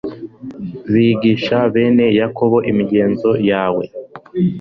bigisha bene yakobo imigenzo yawe